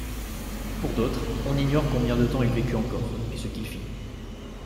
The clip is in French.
Pour d’autres, on ignore combien de temps il vécut encore, et ce qu’il fit.